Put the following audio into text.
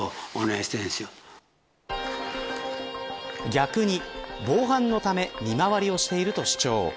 逆に防犯のため見回りをしていると主張。